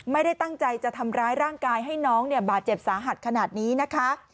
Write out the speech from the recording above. ไม่ได้ตั้งใจจะทำร้ายร่างกายให้น้องเนี่ยบาดเจ็บสาหัสขนาดนี้นะคะ